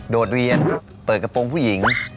โดดเรียนเปิดกระโปรงผู้หญิง